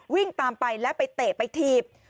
วิ่งตามไปแล้วไปเตะไปถีบ